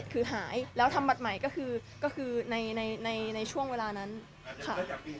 คือหายแล้วทำบัตรใหม่ก็คือในช่วงเวลานั้นค่ะ